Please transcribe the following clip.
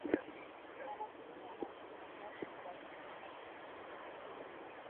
Anatumia maneno mangapi kwa kila sentensi